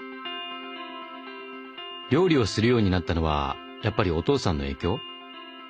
料理をするようになったのはやっぱりお父さんの影響？